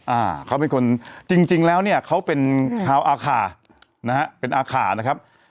อ่าเขาเป็นคนจริงจริงแล้วเนี่ยเขาเป็นชาวอาคานะฮะเป็นอาขานะครับ